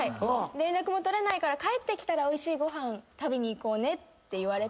連絡も取れないから帰ってきたらおいしいご飯食べに行こうって言われてて。